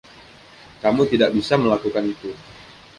Kamu tidak bisa melakukan itu!